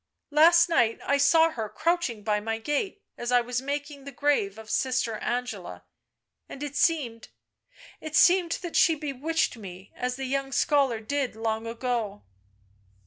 . last night I saw her crouching by my gate as I was making the grave of Sister Angela, and it seemed, it seemed, that she bewitched me — as the young scholar did, long ago."